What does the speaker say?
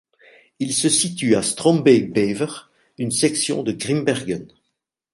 Il se situe à Strombeek-Bever, une section de Grimbergen.